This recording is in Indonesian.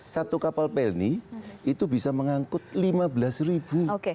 satu kapal pelni itu bisa mengangkut lima belas ribu